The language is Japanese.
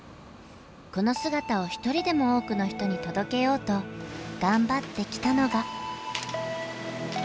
この姿を一人でも多くの人に届けようと頑張ってきたのが。